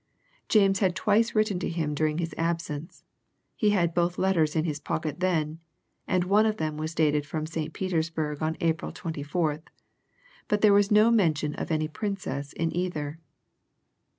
James had twice written to him during his absence he had both letters in his pocket then, and one of them was dated from St. Petersburg on April 24th, but there was no mention of any Princess in either.